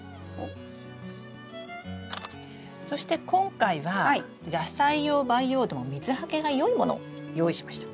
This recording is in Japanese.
そして今回は野菜用培養土を水はけがよいものを用意しました。